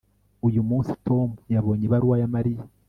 uyu munsi tom yabonye ibaruwa ya mariya